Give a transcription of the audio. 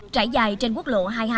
trải dài trên quốc lộ hai mươi hai